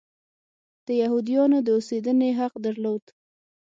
د یهودیانو د اوسېدنې حق درلود.